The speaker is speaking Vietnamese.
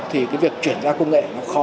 thì cái việc chuyển giao công nghệ nó khó